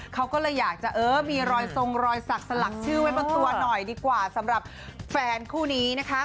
เขาก็เลยอยากจะเออมีรอยทรงรอยสักสลักชื่อไว้บนตัวหน่อยดีกว่าสำหรับแฟนคู่นี้นะคะ